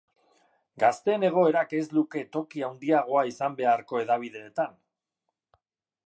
Gazteen egoerak ez luke toki handiagoa izan beharko hedabideetan?